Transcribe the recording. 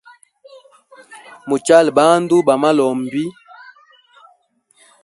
Muchale bandu ba malombi.